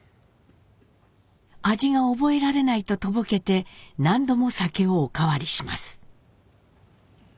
味が覚えられないととぼけて何度も酒をおかわりします。